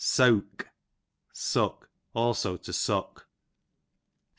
Seawke, suck; also to suck.